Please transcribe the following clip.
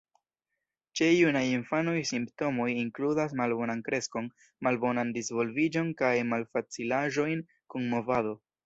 Ĉe junaj infanoj simptomoj inkludas malbonan kreskon, malbonan disvolviĝon kaj malfacilaĵojn kun movado.